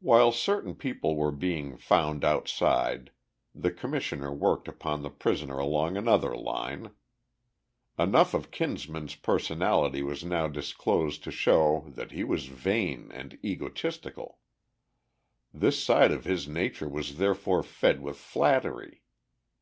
While certain people were being found outside, the Commissioner worked upon the prisoner along another line. Enough of Kinsman's personality was now disclosed to show that he was vain and egotistical. This side of his nature was therefore fed with flattery.